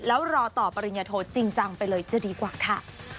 แล้วรอต่อปริญญาโทจริงจังไปเลยจะดีกว่าค่ะ